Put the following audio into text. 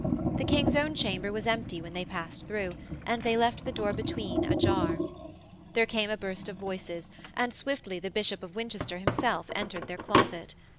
The King's own chamber was empty when they passed through, and they left the door between ajar. There came a burst of voices, and swiftly the Bishop of Winchester himself entered their closet.